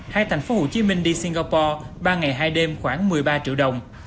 hay thành phố hồ chí minh singapore ba ngày hai đêm khoảng một mươi ba triệu đồng